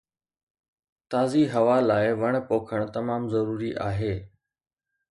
تازي هوا لاءِ وڻ پوکڻ تمام ضروري آهي.